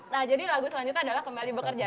nah jadi lagu selanjutnya adalah kembali bekerja